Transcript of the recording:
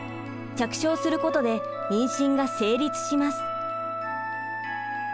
着床することで妊娠が成立します。